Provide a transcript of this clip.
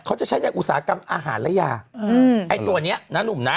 เขาจะใช้ในอุตสาหกรรมอาหารและยาอืมไอ้ตัวเนี้ยนะหนุ่มนะ